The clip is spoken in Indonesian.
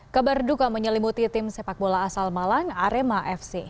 keberduka menyelimuti tim sepak bola asal malang arema fc